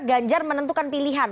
ganjar menentukan pilihan